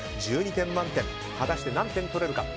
１２点満点果たして何点取れるか。